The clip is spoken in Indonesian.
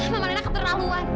mama nenang keperlaluan